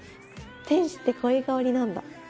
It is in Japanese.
天使ってこういう香りなんだ。